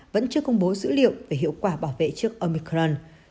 vẫn chưa công bố dữ liệu về hiệu quả bảo vệ trước omicron